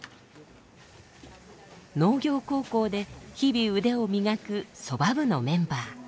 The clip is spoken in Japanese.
農業高校で日々腕を磨く「そば部」のメンバー。